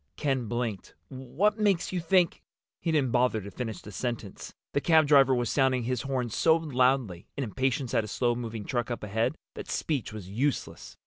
Ken blinked. "What makes you think—?" He didn't bother to finish the sentence. The cab driver was sounding his horn so loudly, in impatience at a slow moving truck up ahead, that speech was useless.